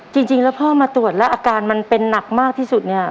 จริงแล้วพ่อมาตรวจแล้วอาการมันเป็นหนักมากที่สุดเนี่ย